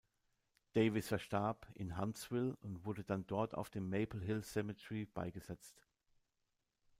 Davis verstarb in Huntsville und wurde dann dort auf dem "Maple Hill Cemetery" beigesetzt.